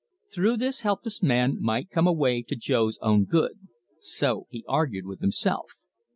Through this helpless man might come a way to Jo's own good. So he argued with himself.